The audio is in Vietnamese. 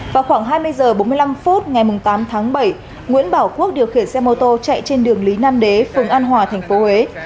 vào khoảng hai mươi h bốn mươi năm phút ngày tám tháng bảy nguyễn bảo quốc điều khiển xe mô tô chạy trên đường lý nam đế phường an hòa tp huế